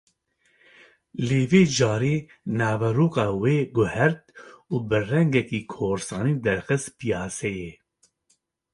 Lê vê carê naveroka wê guhert û bi rengekî korsanî derxist piyaseyê